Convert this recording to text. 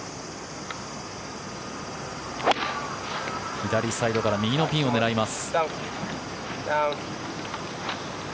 左サイドから右のピンを狙います。